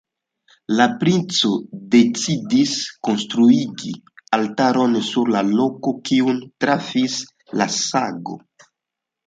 La princo decidis konstruigi altaron sur la loko, kiun trafis la sago.